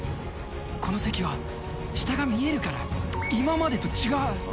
この席は下が見えるから、今までと違う。